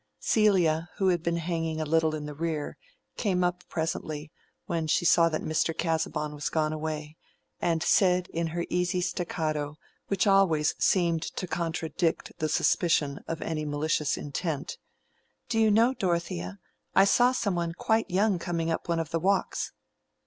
Celia, who had been hanging a little in the rear, came up presently, when she saw that Mr. Casaubon was gone away, and said in her easy staccato, which always seemed to contradict the suspicion of any malicious intent— "Do you know, Dorothea, I saw some one quite young coming up one of the walks."